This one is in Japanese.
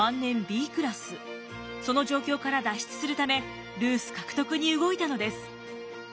その状況から脱出するためルース獲得に動いたのです。